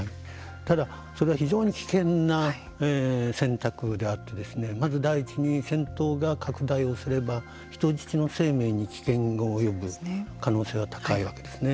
ただ、それは非常に危険な選択であってまず第一に戦闘が拡大をすれば人質の生命に危険が及ぶ可能性は高いわけですね。